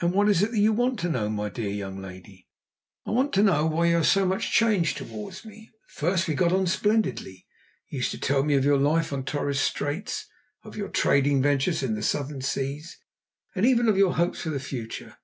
"And what is it that you want to know, my dear young lady?" "I want to know why you are so much changed towards me. At first we got on splendidly you used to tell me of your life in Torres Straits, of your trading ventures in the Southern Seas, and even of your hopes for the future.